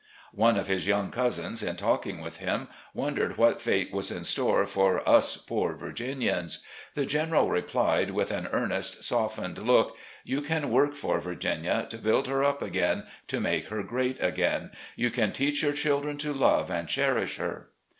One of his young cousins, in talking with him, wondered . what fate was in store for "us poor Virginians." The General replied with an earnest, softened look: " You can work for Virginia, to btaild her up again, to make her great again. You can teach your children to love and cherish her."